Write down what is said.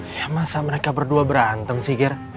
ya masa mereka berdua berantem sih ger